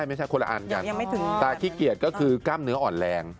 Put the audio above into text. ไม่ใช่คนละอันกันตาขี้เกียจก็คือกล้ามเนื้ออ่อนแรง